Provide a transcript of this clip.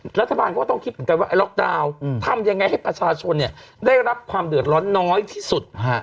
เหมือนกันว่าไอล็อกดาวน์ทำยังไงให้ประชาชนได้รับความเดือดร้อนน้อยที่สุด